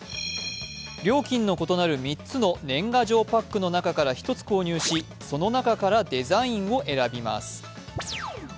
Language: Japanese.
料金の異なる３つの年賀状パックの中から１つ購入しその中からデザインを選びます。